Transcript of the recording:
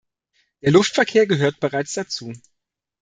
Der Luftverkehr gehört bereits dazu.